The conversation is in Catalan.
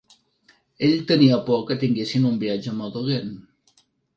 Ell tenia por que tinguessin un viatge molt dolent.